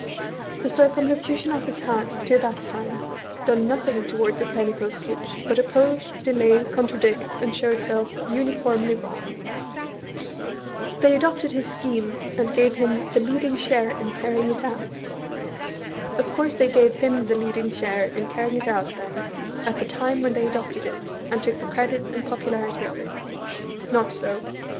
The Circumlocution Ofllce had, to that time, done nothiag toward the penny postage, but oppose, delay, contradict, and show itself uniformly wrong. "They adopted his scheme, and gave him the leading share in carrying it out." Of course they gave him the leading share in carrying it out, then, at the time when they adopted it, and took the credit and popularity of it? Not so.